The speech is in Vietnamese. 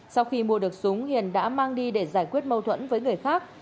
sau khi mua được súng hiền đã mang đi để giải quyết mâu thuẫn với người khác